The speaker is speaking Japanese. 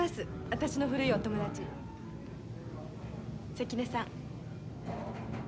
私の古いお友達関根さん。